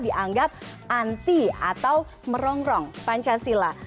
dianggap anti atau merongrong pancasila